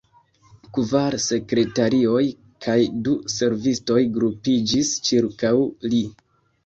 Kvar sekretarioj kaj du servistoj grupiĝis ĉirkaŭ li.